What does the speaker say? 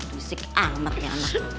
risik amat nih anak